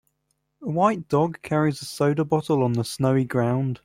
A white dog carries a soda bottle on the snowy ground.